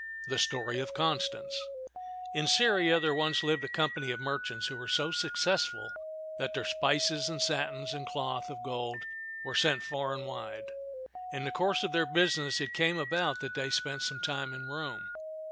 THE STORY OF CONSTANCE IN Syria there once lived a company of merchants who were so successful that their spices and satins and cloth of gold were sent far and wide. In the course of their business it came about that they spent some time in Rome.